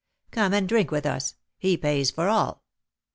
Come and drink with us; he pays for all.